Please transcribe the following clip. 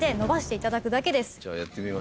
じゃあやってみましょう。